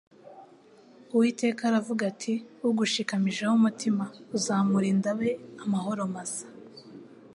Uwiteka aravuga ati :" Ugushimikamijeho umutima uzamurinda abe amahoro masa,